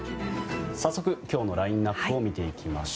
さっそく今日のラインアップを見ていきます。